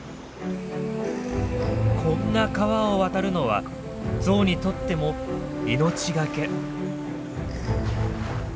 こんな川を渡るのはゾウにとっても命懸け。